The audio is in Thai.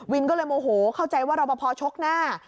ก็เลยโมโหเข้าใจว่ารอปภชกหน้า